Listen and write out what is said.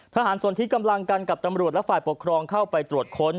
ทหารส่วนที่กำลังกันกับตำรวจและฝ่ายปกครองเข้าไปตรวจค้น